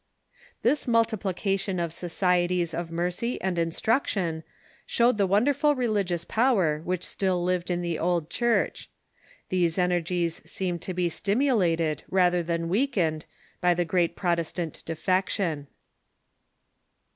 This multiplication of societies of mercy and instruction showed the Avonderful religious power which still lived in the old Church. These energies seemed to be stimulated, rather than weakened, by the great Protestant defection.